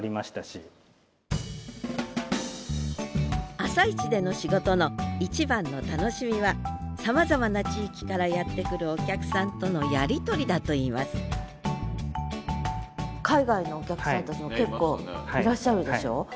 朝市での仕事の一番の楽しみはさまざまな地域からやって来るお客さんとのやり取りだといいます海外のお客さんたちも結構いらっしゃるでしょ？